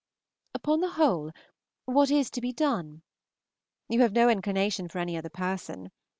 Upon the whole, what is to be done? You have no inclination for any other person.